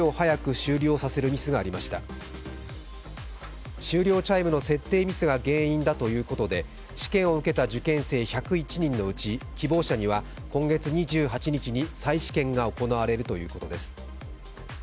終了チャイムの設定ミスが原因だということで試験を受けた受験生１０１人のうち、希望者には今月２８日に再試験が行われるということです。